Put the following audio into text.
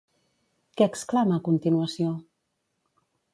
Què exclama a continuació?